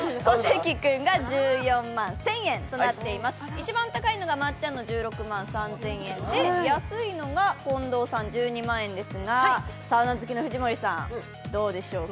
一番高いのはまっちゃんの１６万３０００円で安いのが近藤さん、１２万円ですが、サウナ好きの藤森さん、どうでしょうか？